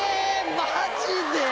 マジで？